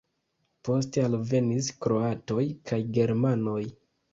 Poste alvenis kroatoj kaj germanoj.